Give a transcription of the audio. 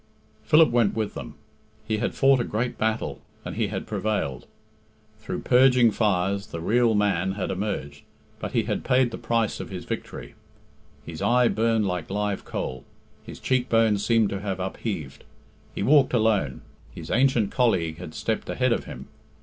Philip went with them. He had fought a great battle, and he had prevailed. Through purging fires the real man had emerged, but he had paid the price of his victory. His eye burned like live coal, his cheek bones seemed to have upheaved. He walked alone; his ancient colleague had stepped ahead of him.